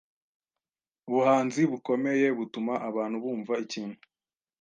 Ubuhanzi bukomeye butuma abantu bumva ikintu.